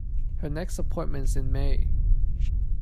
Her next appointment is in May.